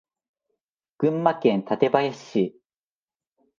群馬県館林市